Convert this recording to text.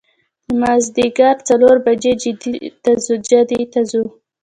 د مازدیګر څلور بجې جدې ته ځو.